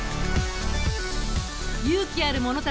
勇気ある者たちよ